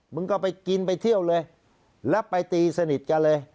มึงก็ไปกินไปเที่ยวเลยแล้วไปตีสนิทกันเลย